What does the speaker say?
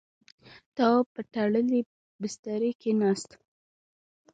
تواب پر تړلی بسترې کېناست.